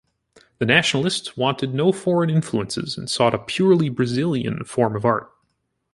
The Nationalists wanted no foreign influences, and sought a "purely Brazilian" form of art.